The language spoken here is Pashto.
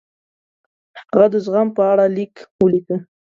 هغه د زغم په اړه لیک ولیکه.